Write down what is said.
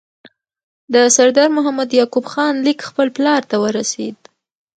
د سردار محمد یعقوب خان لیک خپل پلار ته ورسېد.